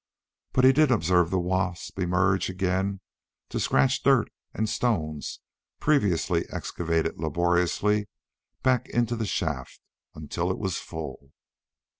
But he did observe the wasp emerge again to scratch dirt and stones previously excavated laboriously back into the shaft until it was full.